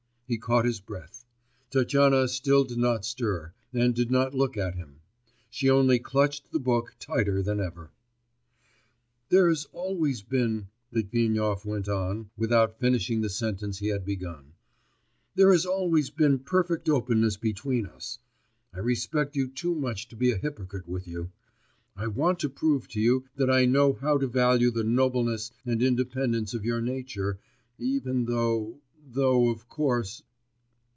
He caught his breath. Tatyana still did not stir, and did not look at him; she only clutched the book tighter than ever. 'There has always been,' Litvinov went on, without finishing the sentence he had begun, 'there has always been perfect openness between us; I respect you too much to be a hypocrite with you; I want to prove to you that I know how to value the nobleness and independence of your nature, even though ... though of course....